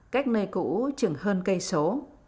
cách nơi cũ chừng hơn cây số